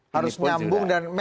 harus nyambung dan match itu pak